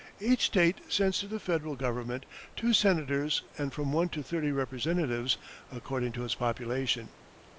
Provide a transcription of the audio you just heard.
Each State sends to the Federal Government two Senators and from one to thirty Representatives, according to its population.